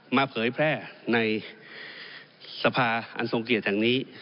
เผยแพร่ในสภาอันทรงเกียรติแห่งนี้